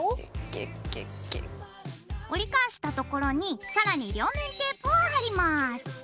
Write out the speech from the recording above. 折り返したところに更に両面テープを貼ります。